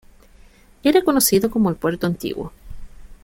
Era conocido como el puerto antiguo.